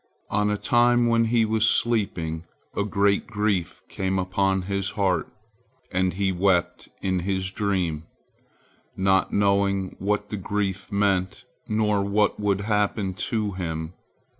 On a time when he was sleeping, a great grief came upon his heart, and he wept in his dream, not knowing what the grief meant, nor what would happen to him.